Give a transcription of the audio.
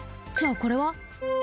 じゃあこれは？